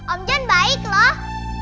om john baik loh